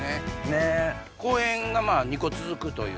公園が２個続くという。